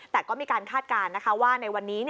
แต่ก็มีการคาดการณ์ว่าในวันนี้